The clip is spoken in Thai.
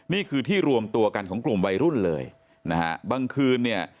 นี่คือที่รวมตัวกันของกลุ่มวัยรุ่นเลยนะฮะบางคืนเนี่ย